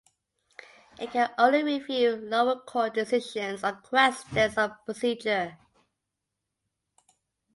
It can only review lower court decisions on questions of procedure.